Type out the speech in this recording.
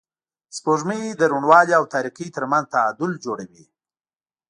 سپوږمۍ د روڼوالي او تاریکۍ تر منځ تعادل جوړوي